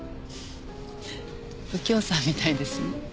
右京さんみたいですね。